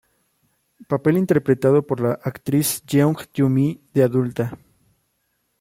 Papel interpretado por la actriz Jeong Yu-mi de adulta.